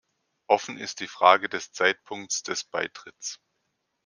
Offen ist die Frage des Zeitpunkts des Beitritts.